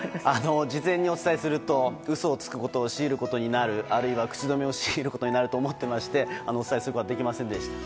事前にお伝えすると嘘をつくことを強いることになるあるいは口止めを強いることになると思っていましてお伝えすることができませんでした。